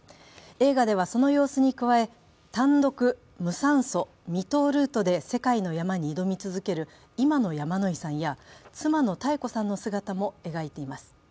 映画ではその様子に加え、単独、無酸素、未踏ルートで世界に山に挑み続ける今の山野井さんや妻の妙子さんの姿も描いています。